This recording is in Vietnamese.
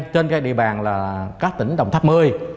trên các địa bàn là các tỉnh đồng tháp mơi